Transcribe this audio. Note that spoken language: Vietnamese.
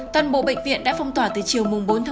toàn bộ bệnh viện đã phong tỏa từ chiều bốn một mươi